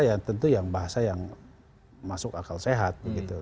ya tentu bahasa yang masuk akal sehat